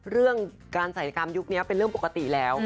เรื่องการศัยกรรมยุคนี้เป็นเรื่องปกติแล้ว